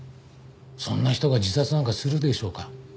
そんな人が自殺なんかするでしょうか？